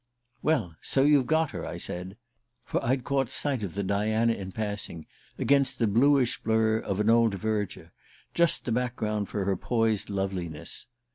"Well so you've got her?" I said. For I'd caught sight of the Diana in passing, against the bluish blur of an old verdure just the background for her poised loveliness.